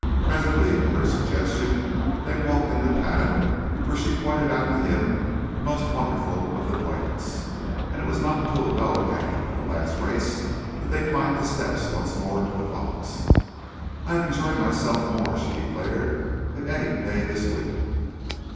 Presently, at her suggestion, they walked in the paddock, where she pointed out to him the most wonderful of the toilettes, and it was not until the bell rang for the last race that they climbed the steps once more to the box. "I have enjoyed myself more," she declared, "than any day this week.